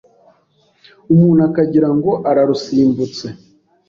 umuntu akagirango ararusimbutse